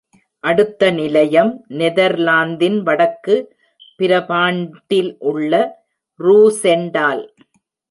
அடுத்த நிலையம் நெதர்லாந்தின் வடக்கு பிரபாண்ட்டிலுள்ள ரூசெண்டால்.